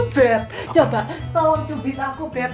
beb coba tolong cupid aku beb